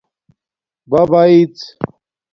بباݶڎ